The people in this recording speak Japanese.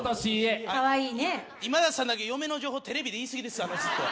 今田さんだけ嫁の情報、テレビで言い過ぎです。